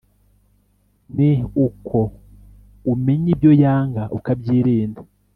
ni uko umenya ibyo yanga ukabyirinda